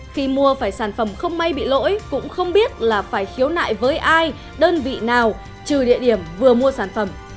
khi mua phải sản phẩm không may bị lỗi cũng không biết là phải khiếu nại với ai đơn vị nào trừ địa điểm vừa mua sản phẩm